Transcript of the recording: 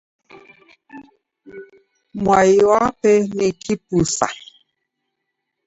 Mwai wape ni kipusa.